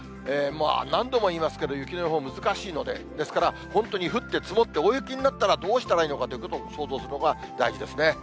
何度も言いますけど、雪の予報、難しいので、ですから、本当に降って積もって、大雪になったらどうしたらいいのかということを想像するのが大事ですね。